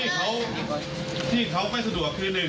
ที่เขาไม่สะดวกคือ๑